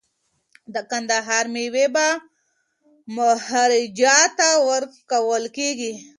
د کندهار میوې به مهاراجا ته ورکول کیږي.